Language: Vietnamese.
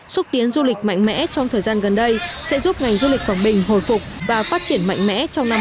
xúc tiến du lịch mạnh mẽ trong thời gian gần đây sẽ giúp ngành du lịch quảng bình hồi phục và phát triển mạnh mẽ trong năm hai nghìn hai mươi